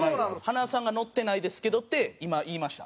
塙さんが「乗ってないですけど」って今言いました。